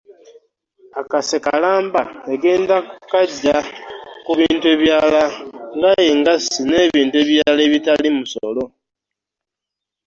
Akase kalamba egenda kukaggya ku bintu ebirala nga engassi n'ebintu ebirala ebitali musolo